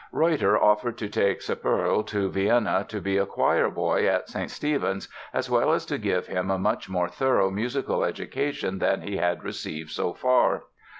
Reutter offered to take "Sepperl" to Vienna to be a choirboy at St. Stephens as well as to give him a much more thorough musical education than he had received so far.